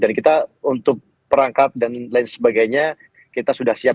dan kita untuk perangkat dan lain sebagainya kita sudah siap